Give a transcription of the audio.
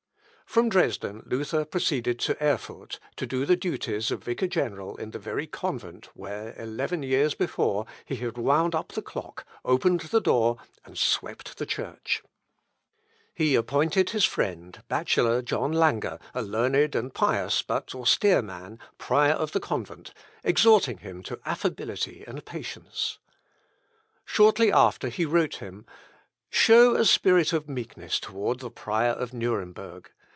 From Dresden, Luther proceeded to Erfurt, to do the duties of vicar general in the very convent where, eleven years before, he had wound up the clock, opened the door, and swept the Church. He appointed his friend, bachelor John Lange, a learned and pious, but austere man, prior of the convent, exhorting him to affability and patience. Shortly after he wrote him, "Show a spirit of meekness towards the prior of Nuremberg.